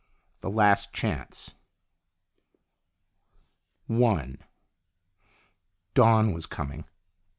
THE LAST CHANCE I DAWN was coming.